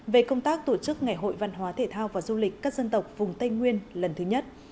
về công tác tổ chức ngày hội văn hóa thể thao và du lịch các dân tộc vùng tây nguyên lần thứ nhất